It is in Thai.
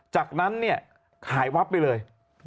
จากนั้นเนี่ยหายวับไปเลย